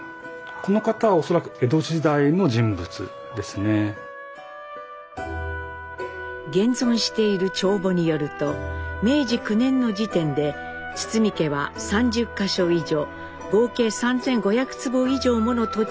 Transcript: この方は恐らく江戸時代の人物ですね。現存している帳簿によると明治９年の時点で堤家は３０か所以上合計３，５００坪以上もの土地を所有していました。